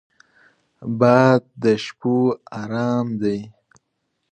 باد د شپو ارام دی